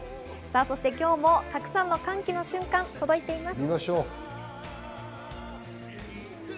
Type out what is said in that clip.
そして今日もたくさんの歓喜の瞬間が届いています。